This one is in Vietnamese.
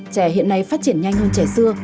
trẻ hiện nay phát triển nhanh hơn trẻ xưa